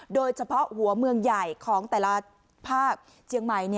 โดยเฉพาะหัวเมืองใหญ่ของแต่ละภาคเจียงใหม่